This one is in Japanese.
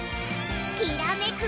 きらめく